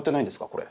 これ。